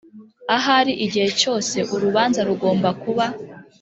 ahari igihe cyose urubanza rugomba kuba